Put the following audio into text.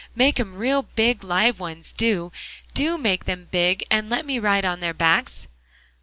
"Make 'em real big live ones, do; do make them big, and let me ride on their backs."